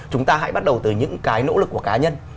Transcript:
chúng ta hãy bắt đầu từ những cái nỗ lực của cá nhân